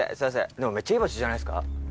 でもめっちゃいい場所じゃないっすか？